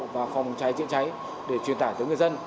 và phòng cháy chữa cháy để truyền tải tới người dân